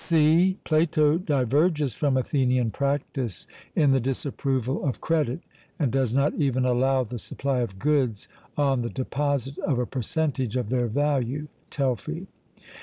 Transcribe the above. (c) Plato diverges from Athenian practice in the disapproval of credit, and does not even allow the supply of goods on the deposit of a percentage of their value (Telfy).